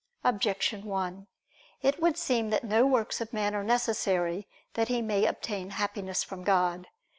Objection 1: It would seem that no works of man are necessary that he may obtain Happiness from God.